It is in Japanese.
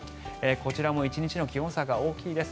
こちらも１日の気温差が大きいです。